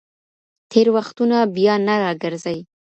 تېر وختونه بیا نه راګرځي.